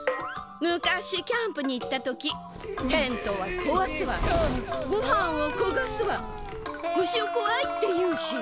昔キャンプにいった時テントはこわすわごはんはこがすわ虫をこわいって言うし。